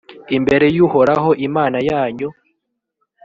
imbere y’uhoraho imana yanyu,